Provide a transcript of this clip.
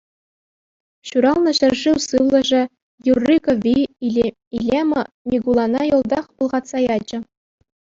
Ҫуралнӑ ҫӗршыв сывлӑшӗ, юрри-кӗвви, илемӗ Микулана йӑлтах пӑлхатса ячӗ.